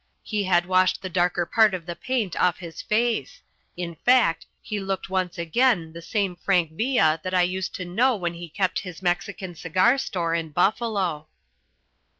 He had washed the darker part of the paint off his face in fact, he looked once again the same Frank Villa that I used to know when he kept his Mexican cigar store in Buffalo.